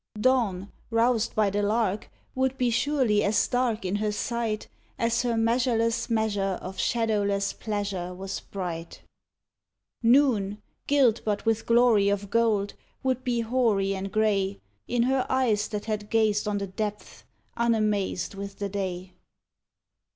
Dawn, roused by the lark, would be surely as dark in her sight As her measureless measure of shadowless pleasure was bright. Noon, gilt but with glory of gold, would be hoary and grey In her eyes that had gazed on the depths, unamazed with the day.